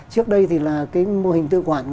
trước đây thì là cái mô hình tự quản